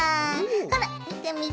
ほらみてみて！